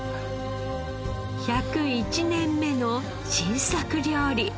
１０１年目の新作料理。